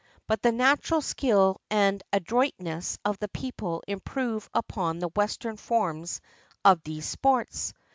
But the natural skill and adroitness of the people improve upon the Western forms of these sports.